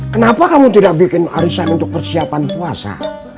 kenapa kamu tidak bikin arisan untuk persiapan puasa